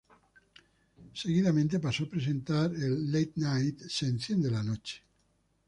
Seguidamente paso a presentar el Late Night "Se enciende la noche".